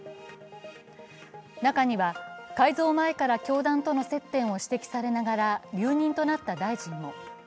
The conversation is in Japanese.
中には、改造前から教団との接点を指摘されながら留任となった大臣も。